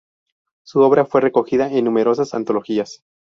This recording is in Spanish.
Su obra fue recogida en numerosas antologías.